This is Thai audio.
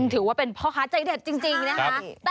ถือว่าเป็นพ่อค้าใจเด็ดจริงนะคะ